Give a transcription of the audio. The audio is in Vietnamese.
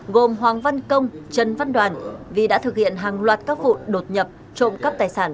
gồm hoàng văn công trần văn đoàn vì đã thực hiện hàng loạt các vụ đột nhập trộm cắp tài sản